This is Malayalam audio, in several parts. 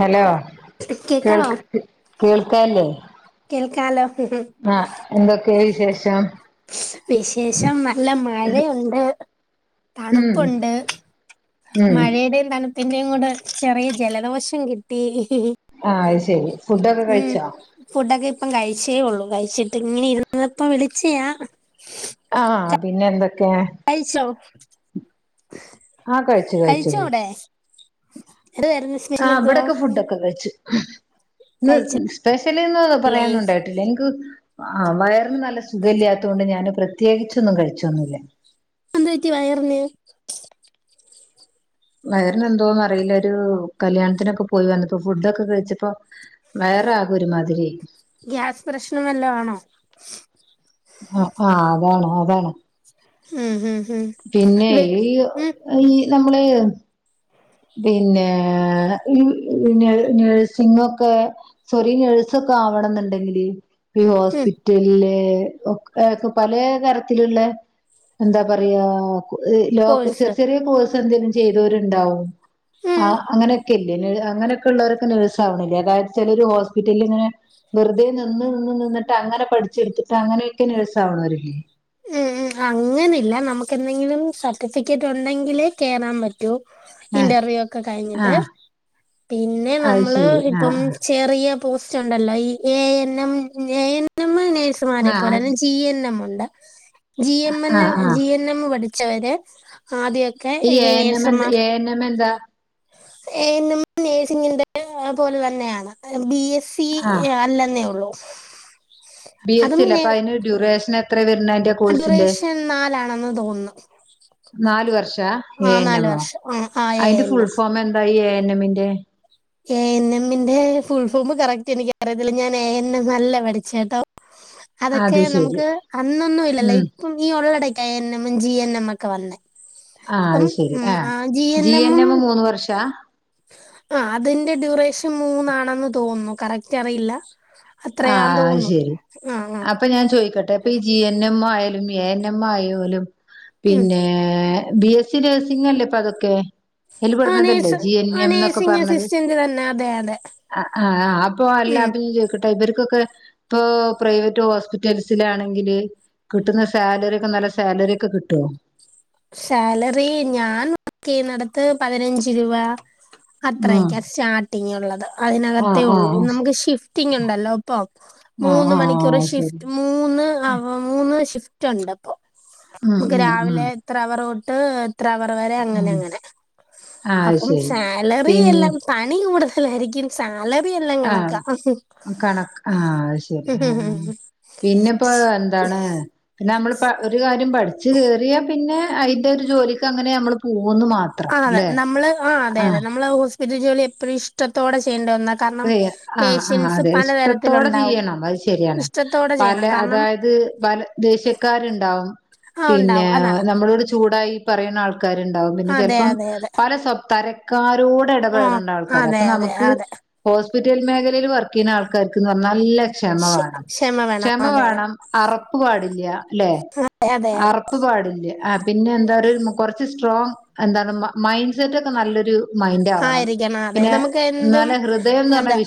ഹലോ കേക്കാവോ കേൾക്ക് കേൾക്ക അല്ലേ എൽക്കാലോ എന്തൊക്കെയ വിശേഷം വിശേഷം നല്ല മഴയുണ്ട് ഉം തണുപ്പുണ്ട് ഉം മഴയുടെയും തണുപ്പ് ന്റെയും കൂടെ ചെറിയ ജലദോശം കിട്ടി ആ അയ് ശരി ഫുഡൊക്കെ ഉം കഴിച്ചോ ഫുഡ് ഒക്കെ ഇപ്പം കഴി കിച്ചേള്ളൂ കഴിച്ചിട്ട് ഇങ്ങനെ ഇരുന്നപ്പ വിളിച്ചയാ ആ പിന്നെ എന്തൊ കഴിച്ചോ ആ കഴിച്ചു കഴിച്ചു കഴിച്ചോ അവിടെ കഴിച്ചു എന്തായിരുന്നു ആ സ്പെഷ്യൽ എന്തുവാ വടക്ക് ഫുഡ് ഒക്കെ കഴിച്ചു ഉ ഇ കഴിച്ചില്ലേ സ്പെഷ്യലിന്ന പറയന്നണ്ടായിട്ടില്ല എനിക്ക് ആ വയർ നല്ല സുഖ ഇല്ലാത്തുകൊണ്ട് ഞാന് പ്രത്യേ ത്യേകിച്ചൊന്നും കഴിച്ചോന്നുല്ല എന്തുപറ്റി വയറ്ന് വയറ്ന് എന്തോ ആ അയില്ലൊരു കല്യാണത്തിനൊക്ക പോയി വന്നപ്പോ ഫുഡൊക്കെ കഴിച്ചപ്പോ വയറാകെ ഒരുമാതിരി ഗ്യാസ് പ്രശ്നം വല്ലതും ആണോ ആ ആഹ് അതാണ് അതാണ് ഉം ഉം ഉം പിന്നെ വെ- ഈയൊ ഉം ഈ നമ്മള് പിന്നെ ഈ നഴ് നഴ്സിങ്ങൊക്കെ സോറി നേഴ്സൊക്കെ ആവണംന്നുണ്ടെങ്കില് ഈ ഉം ഹോസ്പിറ്റലിലെ ഒക്കയാകും പലെ തരത്തിലുള്ള എന്താ പറയാ ഈ ലോക് കോഴ്സ് ചെറിയ ചെറിയ കോഴ്സ ക്കന്തേലും ചെയ്തോരുണ്ടാവും ഉം ആഹ് അങ്ങനെയൊക്കെയില്ലേ നഴ് അങ്ങനൊക്കെള്ളവരൊക്കെ നേഴ്സ് ആവണില്ലേ അതായത് ചെലരു ഹോസ്പിറ്റലിൽ ഇങ്ങനെ വെറുതെ നിന്ന് നിന്ന് നിന്നിട്ട് അങ്ങനെ പഠിച്ചെടുത്തിട്ട് അങ്ങനെയൊക്കെ നേഴ്സാവണോരില്ലെ ഉം ഉം അങ്ങെനില്ല നമ്മക്ക് എന്തെങ്കിലും സർട്ടിഫിക്കറ്റ് ഒണ്ടെങ്കിലേ കേറാൻ പറ്റു ആ ഇന്റർവ്യൂ ഒക്കെ ആ കഴിഞ്ഞിട്ട് പിന്നെ അത് നമ്മള് ശരി ആ ഇപ്പം ചെറിയ പോസ്റ്റ് ഒണ്ടല്ലോ ഈ A N M A N M മ് നഴ്സ്മാരെ ആ ആ പോലെ ജി എൻ എം ഉ ജി എം എൻ ആഹ് ആഹ് ജി എൻ എം പഠി- ച്ചോര് ഈ എ എൻ എം എന്ത് എ എൻ എംമെന്താ എ എൻ എം നഴ്സിങ്ങിന്റെ പോലെ തന്നെയാണ് ബി എ സി ആഹ് ഏ അല്ലെന്നെ ഒള്ളൂ ബി എസ് സി അല്ലെ അപ്പൊ അയിന് ഡ്യൂറേഷൻ എത്രെവര്ണെ അയിന്റെ കോഴ്സിന്റെ ഡ്യൂറേഷൻ നാലാണെന്ന് തോന്നുന്നു നാല് വർഷ [unintelligible] ആ എ എൻ നാല് എംമോ വർഷം ആ ആ എ അയിന്റെ എൻ ഫുൾ എം ഫോം എന്താ ഇ എ എൻ നെമ്മിന്റെ എ എൻ എമ്മിന്റെ ഫുൾ ഫോംമ് കറക്റ്റ് എനിക്കറിയത്തില്ല ഞാൻ എ എൻ എം അല്ല പഠിച്ചേട്ടോ അത് അതൊക്കെ ശരി നമുക്ക് അന്നൊന്നും ഇല്ലല്ലോ ഉം ഇപ്പം ഈ ഒള്ളടക്ക A N M M G എന്മ്മൊക്കെ വന്നെ ആഹ് അപ്പം അയ്ശെരി ഉം ആഹ് ആ ജി എൻ എമ്മും എം മൂന്ന് വർഷാ ആ അതിന്റെ ഡ്യുറേഷൻ മൂന്നാണന്ന് തോന്ന്ന്നു കറക്റ്ററിയില്ല ആഹ് അയ്ശെരി ആ അപ്പൊ ഞാൻ ചോയിക്കട്ടെ ഇപ്പൊ ഈ ജി എൻ എം അയെ എ എന്നമ്മായുലും ഉം പിന്നെ ബി എസ് സി നഴ്സിംഗല്ലെ പ്പ അതൊക്കെ ആ വല്ലെപടനതല്ലേ നേഴ്സ് ജി എൻ ആ എം എന്നൊക്കെ നേഴ്സിംഗ് പറഞ്ഞത് അസിസ്റ്റന്റ് തന്നെ അതെ അതെ ആഹ് അപ്പൊ ഉം. അല്ലപ്പ ട്ട ഇവരിക്കൊക്കെ ഇപ്പൊ പ്രൈവറ്റ് ഹോസ്പിറ്റൽസൽസിലാണെങ്കില് കിട്ടുന്ന സാലറി ഒക്കെ നല്ല സാലറിക്കെ കിട്ടോ സാലറി ഞാൻ വർക്ക് ചെയ്യുന്നടത്ത് പതിനഞ്ച് രൂവ ഉം അത്രക്ക സ്റ്റാർട്ടിങ് ഒള്ള- ആഹ് അതിനകത്തെ ഒള്ളൂ ആഹ് നമുക്ക് ഷിഫ്റ്റിംങ്ങൊണ്ടല്ലോ അപ്പം ആഹ് മൂന്ന് ആഹ് മണിക്കൂർ ആഹ് ശരി ഷിഫ്റ്റ് മൂന്ന് അവ മൂന്ന് ഷിഫ്- റ്റൊണ്ട് ഉം ഉം ഉം അവറോട്ട് ഇത്രവറ് വരെ അങ്ങനെ ഉം അങ്ങനെ ആഹ് അത് അപ്പം ശരി സാലറി എല്ലാം പണി കൂടുത- [unintelligible] സാ ആഹ കണക്ക് ആഹ അത് ശരി ആ പിന്നെപ്പോൊ എന്താണ് നമ്മൾ ഇപ്പൊ ഒരു കാര്യം പഠി [unintelligible] പി പിന്നെ അതിന്റെ ഒരു ജോലിക്ക് അങ്ങനെ നമ്മള് പോും ആ അതെ നമ്മള് ആ അതെ ആഹ് അതെ നമ്മള് വീട്ടു ജോലി എപ്പോഴും ഇഷ്ടത്തോടെ ചെയ്യേണ്ട ഒന്നാ അത കാരണം ആഹ് ആ് പേഷ്യൻസ് അതെ ഇഷ്ടത്തോടെ പലതരത്തിലുണ്ടാവും ചെയ്യണം അത് ശരിയാണ് ഇഷ്ടത്തോടെ പല ചെയ്യണം കാരണം അതായത് പല ദേഷ്യക്കാരുണ്ടാവും ആ പിന്നെ ഉണ്ടാവും അതാ നമ്മളട് ചൂടായി പറയ ന ആക്കാണ്ടാവും പിന്നെ അതെ ചിലപ്പം അതെ അതെ പല സ്വപ്ാര കാ ഓ ഇടപഴകേണ്ട ആൾക്കർ അതെ അപ്പൊ അതെ നമുക്ക് അതെ ഹോസ്പിറ്റൽ മേഖലയിൽ വർക്ക് ചെയ്യുന്ന ആൾകാർക്ക് പറഞ്ഞൽ നല്ല ക്ഷമ ക്ഷ- വേണം വേണം ക്ഷമ അതെ വേണം അറപ്പ് പാടില്ല അല്ലെ അതെ അതെ അതെ അറപ്പ് പാടില്ല പിന്നെ എന്താ കുറച്ച് സ്ട്രോങ് എന്താണ് മൈ മൈൻഡ് സെറ്റ് ഒക്കെ നല്ലൊ ഒരു മൈൻഡ് ആവണം ആയിരിക്കണം അതെ പിന്നെ നമുക്ക് എന്തും നല്ല ഹൃദയ എന്താ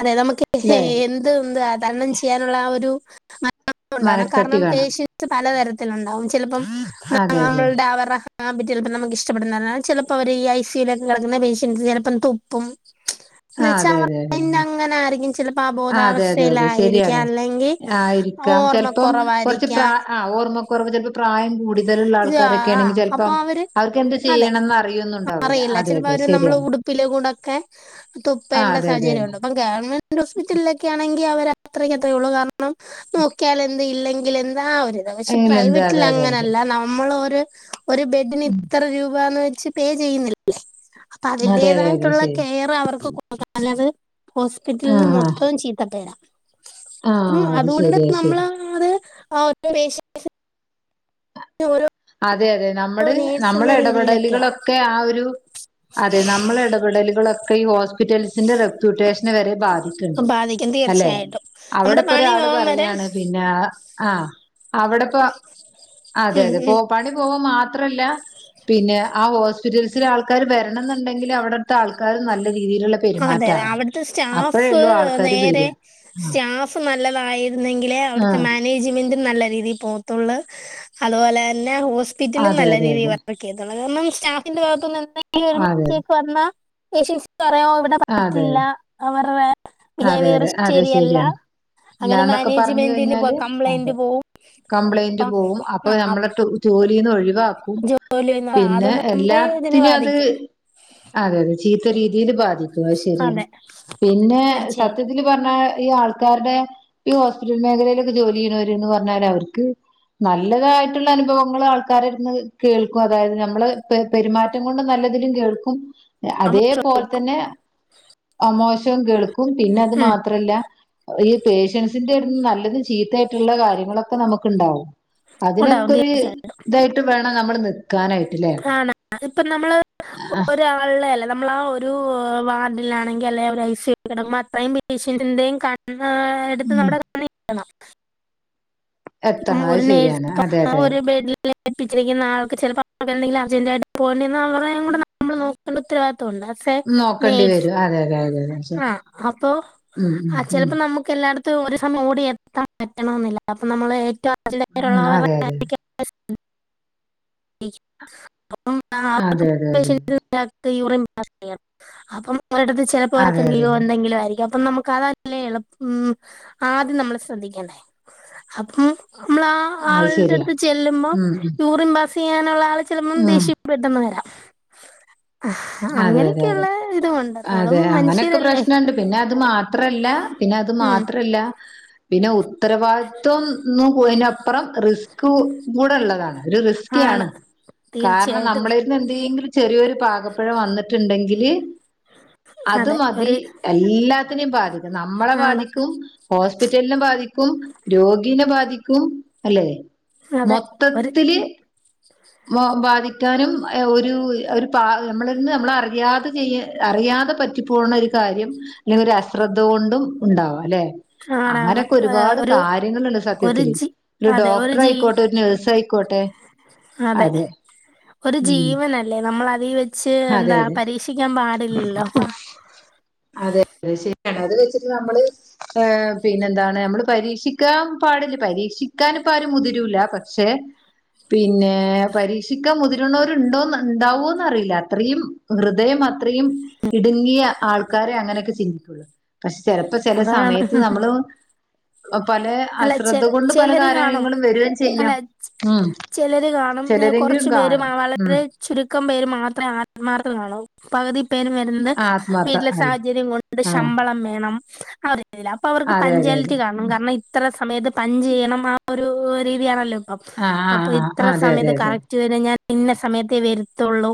അതെ നമുക്ക് എ അല്ലെ എന്ത് എന്താ തരണം ചെയ്യാനുള്ള ഒരു മ ഉണ്ടാവ മനക്കെട്ടി കാരണം വേണം പേഷ്യൻസ് പലതരത്തിലുണ്ടാവും അതെ അതെ ചിലപ്പോംുടെ അവരുടെ ആ ചിലപ്പോ നമു ഇഷ്ടടുന്ന ചില അപ്പൊ അവര് ഈ ഐ സ്യുൽ ഒക്കെ കിടക്കുന്ന പേഷ്യന്റ് ചിലപ്പം തുപ്പും എന്ന് ആ വെച്ചാൽ അതെ അവർ അതെ അതെ അതിന്റെ അതെ അങ്ങനെ ആയിരിക്കും ചിലപ്പോൾ ആ അതെ അതെ അതെ ശരിയാണ് ബോധാവസ്ഥയിലായിരിക്കാം അല്ലെങ്കിൽ ആ ഇരിക്കാം ചിലപ്പം കുറച്ച് ഓർമ്മക്കുറവായിരിക്കാം പ്രായ ആ ഓർമ്മക്ക ർമ്മ ചപ്പോ പ്രായം കൂടുതലുള്ള ആൾക്കാരൊക്കെ ആണെങ്കിൽ അപ്പൊ ചിലപ്പോം അവര് അവർക്ക്െന്ത് അതെ ചെയ്യണംന്ന് അറിയൊന്നും ഉണ്ടാവൂല അതെ അതെ ശരിയാണ് ഉടൊക്കെ ആ തുപ്പേണ്ട അതെ അതെ അതെ സാഹചര്യവുണ്ടോ ഇപ്പ ഗവൺമെന്റ് ഹോസ്പിറ്റലൊക്കെ ആണെങ്കി അവര അത്രയ്ക്കത്രെയുള്ളൂ കാര ന്നും നോക്കിയാലെ യില്ലെങ്കില് എ ദാ ഒര്തെവക്ഷെ അയിലെന്ത് അതെ അതെ പ്രൈവറ്റിലങ്ങനെ അതെ ല്ല നമ്മളോര് ഒരു ബെഡിന് ഇത്ര രൂപാന്ന് വെ ക്ഷേ പേ ചെയ്യുന്നില്ലെ അപ്പ അതെ അതെ അതെ അതിന്റേതായിട്ടുള്ള ശരി കെയർ അവർക്ക് കൊ [unintelligible] ആ ഹോസ്പിറ്റല്ന് ആ മൊത്തം ചീത്ത പേരാ അപ്പം ആഹ് അത് അതുകൊണ്ട് ശെരിയാ ശരി നമ്മളത് [unintelligible] റേഷൻ ന് ഒരോ അതെ അതെ നമ്മള് നമ്മള രീതിയിലൊക്കെയാ എടപെടലുകളൊക്കെ ആ ഒരു അതെ നമ്മളെ എടപെടലുകളൊക്കെ ഈ ഹോസ് ഹോസ്പിറ്റൽസിൻ്റെ റെപ്യൂട്ടേഷന് വരെ ബാധിക്കുണ്ട് ബാധിക്കും അല്ലെ തീർച്ചയായിട്ടും നമ്മുടെ അവിടെപ്പോ പണി ഒരാള് പോവാൻ വരെ പറയാണ് പിന്നെ ആ അവിടെപ്പ അതെ ഉം അതെ പ്പോ ഉം പണി പോം മാ ത്രല്ല പിന്നെ ആ ഹോസ്- സ്പിറ്റൽസില് ആൾക്കാര് വരണം എന്നുണ്ടെങ്കിൽ അവിടുത്തെ ആൾക്കാർ ന അതെ അതെ അവിടുത്തെ സ്റ്റാഫ് അപ്പഴേള്ളൂ ആൾക്കാര് വര നേരെ ആഹ് സ്റ്റാ [unintelligible] എന്നെങ്കിലെ അവിടുത്തെ ആഹ് മാനേജ്മെന്റ് നല്ല രീതീൽ പോതോള്ള് അതുപോലെ തന്നെ സ്പിറ്റലും അതെ നല്ല അതെ രീതിൽ അതെ വർക്ക് യ്തോ കാരണം സ്റ്റാഫിന്റെ ഭഗത്തുന്ന് എ ന്തെങ്കിലും ഒര് അതെ അതെ മിസ്റ്റേക്ക് വന്ന ചി കേ [inaudible] ഇവിടെ അതെ പിറ്റത്തില്ല അവടെ വേറെ അതെ അതെ അതെ ശരിയാണ് അങ്ങനെ അല്ലാന്നൊക്കെ പറഞ്ഞു മാനേജ്മെന്റിന് കഴിഞ്ഞാല് കംപ്ലൈന്റ് അതെ പോവും കംപ്ലൈന്റ് അപ്പം പോകവും അപ്പൊ ആ അ- നമ്മളെ ജോലിന്ന് ഒഴ ജോലി എന്ന് പറ- പിന്നെ അതൊന്നും നമ്മുടെ ഇതിനെ എല്ലാത്തിനും അത് ബാധിക്കും അതെ അതെ ചീത്ത രീതിൽ ബാധിക്കും അത് ശരിയാണ് അതെ പിന്നെ തീർച്ചയായും സത്യത്തിൽ പറഞ്ഞ ഈ ആൾക്കാരുടെ ഈ ഹോസ്പിറ്റൽ മേഖലയിലൊക്കെ ജോലി ചെയ്യണവര് എന്ന് പറഞ്ഞാല് അവർക്ക് നല്ലതായിട്ടുള്ള അനുഭവങ്ങൾ ആൾക്കാരുടെ അടുത്തുന്ന് കേൾക്കും അതായത് നമ്മള് പെരുമാറ്റം കൊണ്ട് നല്ലതിലും കേൾക്കും നമുക്ക് അതേപോലെ ചോദിക്കും തന്നെ മോശവും കേൾക്കും ക്കും പിന്നെ അത് ഉം, മാത്രല്ല ഈ പേഷ്യൻസിന്റെ അടുത്തുന്ന് നല്ലതും ചീത്ത ആയിട്ടുള്ള കാര്യങ്ങളൊക്കെ നമുക്ക് ഉണ്ടാവും ഉണ്ടാവും അതിനൊക്കെ ഒരു ഇതായിട്ട് വേണം നമ്മള് നി കാണ അതിപ്പ നമ്മള് ഒരാളുടെ അല്ല നമ്മള ഒരു വാർഡിലാണെങ്കിൽ അല്ലെ ഐ സീ യു മ്പോ അത്രയും പേസിൻ്റിൻ്റെ കൺ ആ എടുത്ത് ഉം നമ്മടെ കാണ എന്ന ഇപ്പം എത്തണം അത് ഒരു ശരിയാണ് നഴ്സ് അതെ അതെ ഒരു ബെഡ ലപ്പിച്ചിരിക്കുന്ന ആൾക്ക് ചിലപ്പോെലും അർജന്റായിട്ട് പോകണ്ടന്ന് അവ കൂടെ നമ്മൾ നോക്കണ്ട ഉത്തരവി നോക്കേണ്ടി വരും അതെ അതെ അത ആ അപ്പൊ ആ ചിലപ്പോ നമ്മുക്ക് എല്ലായിടത്തും ഒരു സമയം ഓടി എത്താൻ പറ്റണ എന്നില്ല അപ്പൊ നമ്മൾ ഏറ്റവും ഉ അതെ അതെ ശ അപ്പ അവക്ക് ശരി ഉം ഉം ഉം [inaudible] യൂറിൻ അപ്പം ഉം അതെ അതെ അതെ അതെ ഒരിടത്ത് അതെ അതെ അതെ ലോ എന്തെങ്കിലും ആരിക്കും അപ്പൊ നമുക്ക് അതല്ലേ എളുപ്പ ആദ്യം നമ്മൾ ശ്രദ്ധിക്കണ്ടേ അപ്പം നമ്മള ആ അത് ആളുടെ ശരിയാ അടുത്ത് ചെല്ലുമ്പോ ഉം ഉം യൂറിൻ പാസ്സ് ചെയ്യാനുള്ള ആള് ചിലപ്പോൾ ഉം ദേഷ്യ പെട്ടന്ന് വരാം ആ അതെ അതെ അങ്ങനെയൊക്കെയള്ള അതെ ഇതുണ്ട് നമ്മളും അതെ അങ്ങനെയൊക്കെ മനുഷ്യരല്ലേ പ്രശ്നുണ്ട് പിന്നെ അത് മാത്രല്ല പിന്നെ അത് ഉം മാത്രല്ല പിന്നെ ഉത്തരവാദിത്വംന്ന്പോന്നതിനപ്പുറം റിസ്കു കൂടെയുള്ളതാ. ഒരു റിസ്ക്കിയാണ് ആണ് കാരണം തീർച്ചയായിട്ടും നമ്മളിരുന്ന് എന്തെങ്കിലും ചെറിയൊരു പാക പിഴ വന്നിട്ടുണ്ടെങ്കി ഇ അത് അതെ മതി ഒരു എല്ലാ ഇനിയും [unintelligible] നമ്മളെ ആണ് ബാധിക്കും ഹോസ്പിറ്റലിനെ ബാധി ക്കും രോഗീനെ ബാധിക്കും അല്ലെ. കു അതെ ഒരു മൊത്തത്തില് മ ബാധിക്കാനും ഒരു ഒരു പ നമ്മളിന്ന് നമ്മളറിയാതെ ചെയ്യ അറിയാതെ പറ്റിപ്പോകണ ഒരു കാര്യം അല്ലെങ്കിൽ ഒരു അശ്രദ്ധ കൊണ്ടും ഉണ്ടാവാല്ലെ ആണാണ് അങ്ങനൊക്കെ ഏഹ്, ഒരുപാട് ഒരു കാര്യങ്ങളുണ്ട് ഒരു സത്യത്തില് ജി ഒരു അതെ ജി ഡോക്ടറായിക്കോട്ടെ ഒരു നേഴ്സായിക്കോട്ടെ അതെ ഒരു ജീവനല്ലേ ന നമ്മളാൽ ലി വെച്ച് അതെ എന്താ അതെ പരീക്ഷിക്കാൻ പാടില്ലോ അതെ അത് ശരിയാണ് അത് വെച്ചിട്ട് നമ്മള് ആ പിന്നെന്താണ് നമ്മള് പരീക്ഷിക്കാൻ പാടില്ല പരീക്ഷിക്കനിപ്പോ ആരും മുതിരൂല പക്ഷെ പിന്നെ പരീക്ഷിക്കാൻ മുതിരുണവരുണ്ടോന്ന് ഉണ്ടാവോന്ന് അറിയില്ല അത്രയും ഹൃദയം അത്രയും ഇടുങ്ങിയ ആൾ ആൾക്കാരെ അങ്ങനെയൊക്കെ ചിന്തിക്കുള്ളൂ പക്ഷെ ചെലപ്പോ ചെല അതാണ് സമയത്ത് നമ്മളും പലെ അല്ല ചെ അശ്രദ്ധ കൊണ്ട് പല ചിലര് കാണും കാര്യങ്ങളും വരുവേം അല്ല ചെയ്യാം ഉം ചിലര് കാണും ചിലരെങ്കിലും കാണണും ഉം ക്കം പേര് മാത്രേ ആത്മാർത്ഥ കാണൂ പകുതി പേരും വരുന്നത് ആ ആത്മാർത്ഥ വീട്ടിലെ അല്ലെ സാഹചര്യം കൊണ്ട് ആഹ് ശമ്പളം വേണം ആ ല്ല അപ്പൊ അവർക്ക് അതെ അതെ അതെ പഞ്ച്വാലിറ്റി കാണും കാരണം ഇ സമയത്ത് പഞ്ച് ചെയ്യണം ആ ഒരു രീതിയാണല്ലോ അപ്പൊ ആഹ് അപ്പൊ ആഹ് ഇത്ര ആഹ് അതെ അതെ സമയത്ത് അതെ കറക്റ്റ് വരെ ഞാൻ ഇന്ന സമയത്ത വരു തൊള്ളൂ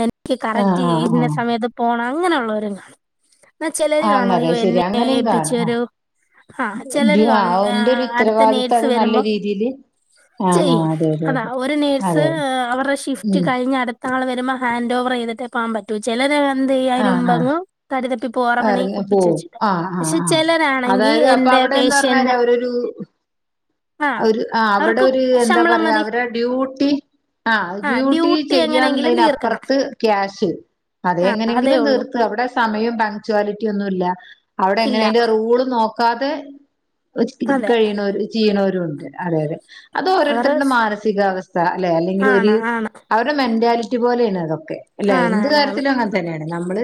എന്ന് ക്ക് ആഹ് കറക്റ്റ് ആഹ് ഇന്ന ആഹ് സമയത്ത് പോണം അങ്ങനെയുള്ളവരൊന്നും [inaudible] എന്നാ ചിലര് ആ കാണും അങ്ങനെ അതെ അയ്യോ ശരി എന്നെ അങ്ങനെയും കാണാം. ഏപ്പിചൊരു ആ ചില ഇത് ഡ്യൂ- ആ, കാണും അ എന്റെ ഒരു അടുത്ത ഉത്തരവാദിത്തം നേഴ്സ് അത് നല്ല വരുമ്പം രീതിയില് ആ ആ ചെയ്യും അതെ അതെ അതാ അതെ ഒരു നേഴ്സ് അതെ അവരുടെ ഷിഫ്റ്റ് ഉം കഴിഞ്ഞ് അടുത്ത ആള് വ മ്പം ഹാൻഡോവറ് ചെയ്തിട്ടെ പോകാൻ പറ്റു ചെലര് എന്ത് ചെയ്യ ആ അതിനന് ആ മുമ്പങ്ും കടുതപ്പി പോറവണ ഇറങ്ങി ഒപ്പിച്ച് പോവും വെച്ചി് ആ പക്ഷെ ചിലരാണെങ്കിൽ എൻന്റെ ന്ന് പറഞ്ഞ അവരരു ആഹ് ഒരു ആ അവിടെ അവർക്ക് ഒരു എന്താ ശമ്പളം പറയാ മതി അവടെ ഡ്യൂട്ടി ആ ആഹ് ഡ്യൂട്ടി എങ്ങനെങ്കിലും തീർക്കണം ചെയ്യാന്നുള്ളതിനപ്പുറത്ത് ക്യാഷ് അതെ ആഹ് അതേ എങ്ങനെങ്കിലും ഉള്ളൂ തീർത്ത് അവിടെ സമയം പാക്ച്വാലിറ്റി ിയൊന്നുമല്ല അവിടെ എങ്ങനെ ഇല്ല അ്റെറൂള് നോക്ക അത് അതെ കഴിയണ ചെയ്യണോ അതെ അതെ അത് അവർ ഓരോരുത്തരുടെ മാനസികാവസ്ഥ അല്ലെ അല്ലെങ്കിൽ ഒരു ആണ് ആണ് അവ മന്റാലിറ്റി പോലെയാണ് അതോ അല്ല ആണ് എന്ത് ആണ് കാര്യത്തിലും അങ്ങനെ തന്നെയാണ് നമ്മള്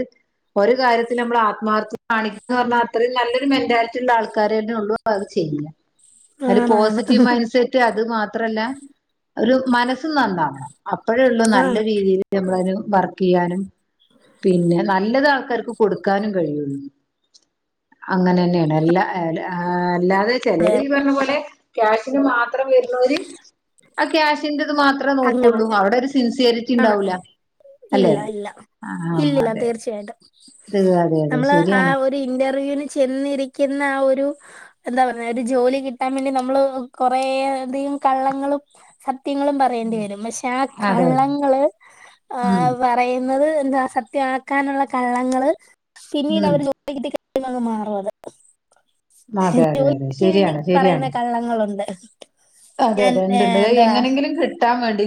ഒരു കാര്യത്തിൽ നമ്മൾ ആത്മാർത്ഥ കാണിക്കന്ന് പറഞ്ഞാൽ അത്രയും നല്ലൊരു മെന്റാലിറ്റി ഉള്ള ആൾക്കാര തന്നെ ഉള്ളൂ അ അത് ചെയ്യില്ല ഒരു ആണ് ആണ് പോസിറ്റീവ് മൈൻറ് സെറ്റ് അത് മാത്രം മാത്രല്ല ഒരു മനസ്സും നന്നാവണം അപ്പോഴേ ഉള്ള നല്ല ആണ് രീതിയിയില് നമ്മളന് വർക്ക് ചെയ്യാനും പിന്നെ നല്ലത കൊടുക്കാനും കഴിയുള്ളു അങ്ങനെ തന്നെയാണ് എല്ല അതെ ചിലര് പറഞ്ഞ പോലെ ക്യാഷിന് മാത്രം വരുന്നവര് ആക്കയാശ ഇന്റെ ദമാത്ര അങ്ങനെ പോവും ആണ അല്ലെ ഇല്ല ഇല്ല ആഹ് ഇല്ലല്ല അതെ തീർച്ചയായിട്ടും ഇത് അതെ അതെ നമ്മള് ആ ശരിയാണ് ഒരു ഇന്റർവ്യവിന് ചെന്നിരിക്കുന്ന എന്താ പറ ജോലി കിട്ടാൻ വേണ്ടി നമ്മൾ കള്ളങ്ങളും സയങ്ങളും പറയേണ്ടി ഉം, വരും പക്ഷെ ആ അതെ അതെ കള്ളങ്ങള് ഉം പറയുന്നത് എന്താ സത്യമാക്കാനുള്ള കള്ളങ്ങള് ഉം [unintelligible] മാറും അത അതെ അതെ അതെ ശരിയാണ് പറയുന്ന ശരിയാണ് കള്ളങ്ങളുണ്ട് അതെ ഞാൻ അതെ ഉണ്ട് എങ്ങനെങ്കിലും കിട്ടാൻ വേണ്ടി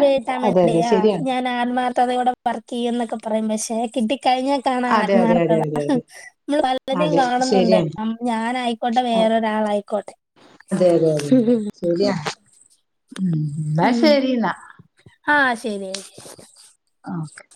വേട്ടാൻ വേണ്ടി ആ ഞാൻ ആന്മാർക്ക്തോൂടെ വർക്ക് ചെയ്യ എന്നൊക്കെ പറയുമ്പ ആ കഴിഞ്ഞ കാണാ അതെ അതെ അതെ ആത്മാർക്കത അതെ അതെ നമ്മൾ പലരും അതെ കാണുന്നുണ്ട് ശരിയാണ് ഞാൻ ആായിക്കോട്ടെ അ- വേറൊരാളായിക്കോട്ടെ അതെ ഉ എന്നാ ഉം. ശരി എന്നാ ആ ശരി ഓെ